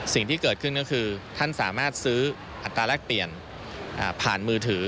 สิ่งที่เกิดขึ้นก็คือท่านสามารถซื้ออัตราแรกเปลี่ยนผ่านมือถือ